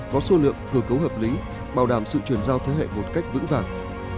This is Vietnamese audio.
có số lượng cơ cấu hợp lý bảo đảm sự chuyển giao thế hệ một cách vững vàng